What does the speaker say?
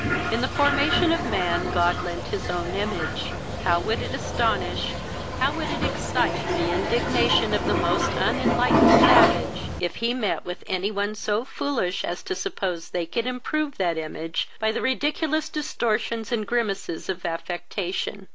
In the formation of man, God lent his own image; how would it astonish, how would it excite the indignation of the almost unenlightened savage, if he met with any one so foolish as to suppose they could improve that image by the ridiculous distortions and grimaces of affectation!